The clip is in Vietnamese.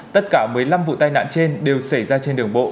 tất cả một mươi năm vụ tai nạn trên đều xảy ra trên đường bộ